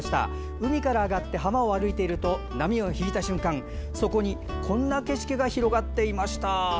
海から上がって浜を歩いていると波が引いた瞬間、そこにこんな景色が広がっていました。